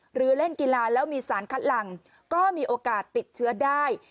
หรือเล่นกีฬาแล้วมีสารคัดหลังก็มีโอกาสติดเชื้อได้